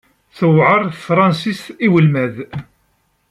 Tewɛeṛ tefṛensist i welmad?